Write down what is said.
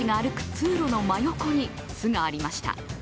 通路の真横に巣がありました。